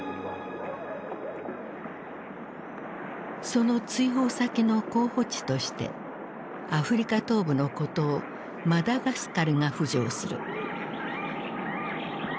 その追放先の候補地としてアフリカ東部の孤島マダガスカルが浮上する。